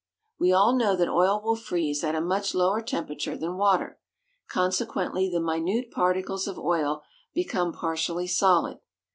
We all know that oil will freeze at a much lower temperature than water, consequently the minute particles of oil become partially solid.